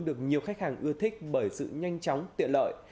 được nhiều khách hàng ưa thích bởi sự nhanh chóng tiện lợi